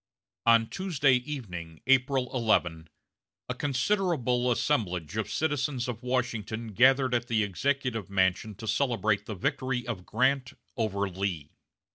On Tuesday evening, April 11, a considerable assemblage of citizens of Washington gathered at the Executive Mansion to celebrate the victory of Grant over Lee.